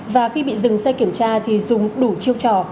và khi bị dừng xe kiểm tra thì dùng đủ chiêu trò